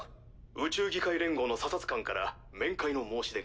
宇宙議会連合の査察官から面会の申し出が。